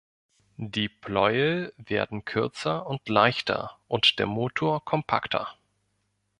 Die Pleuel werden kürzer und leichter und der Motor kompakter.